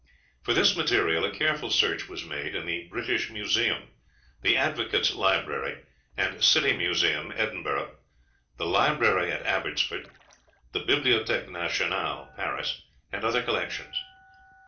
For this material a careful search was made in the British Museum, the Advocates' Library and City Museum, Edinburgh, the Library at Abbotsford, the Bibliotheque Nationale, Paris, and other collections.